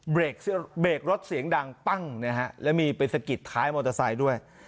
เบรกรถเสียงดังปั้งนะฮะแล้วมีไปสะกิดท้ายมอเตอร์ไซค์ด้วย